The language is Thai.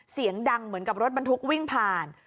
เสียงดังเหมือนกับรถบรรทุกวิ่งผ่าน